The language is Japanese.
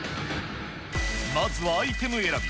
まずはアイテム選び。